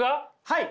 はい。